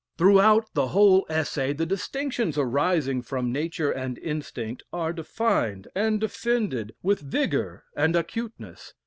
Throughout the whole Essay the distinctions arising from nature and instinct are defined and defended with vigor and acuteness.